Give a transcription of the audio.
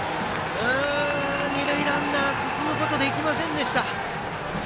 二塁ランナー進むことができませんでした。